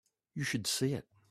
You should see it.